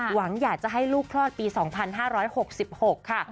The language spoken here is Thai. หวังอยากจะให้ลูกคลอดปี๒๕๖๖ค่ะ